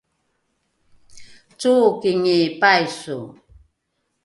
cooking paiso